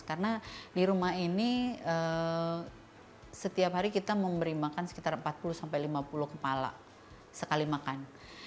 karena di rumah ini setiap hari kita memberi makan sekitar empat puluh lima puluh kepala sekali makan